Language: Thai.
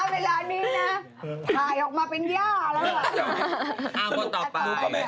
ม้าเวลานี้นะหายออกมาเป็นหญ้าแล้ว